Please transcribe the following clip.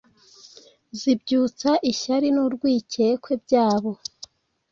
zibyutsa ishyari n’urwikekwe byabo.